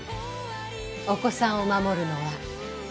お子さんを守るのはお母さん。